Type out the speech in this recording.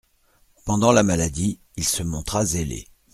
Pendant la maladie, il se montra zélé.